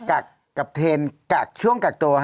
กักกับเทนกักช่วงกักตัว